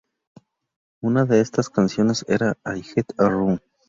Una de estas canciones era "I Get Around".